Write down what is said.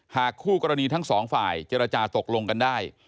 คู่กรณีทั้งสองฝ่ายเจรจาตกลงกันได้